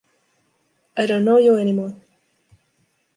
I don’t know you anymore.